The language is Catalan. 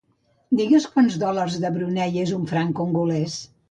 Digues quants dòlars de Brunei és un franc congolès.